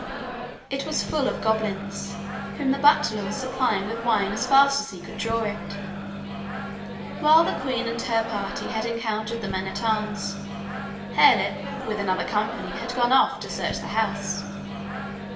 It was full of goblins, whom the butler was supplying with wine as fast as he could draw it. While the queen and her party had encountered the men at arms, Harelip with another company had gone off to search the house.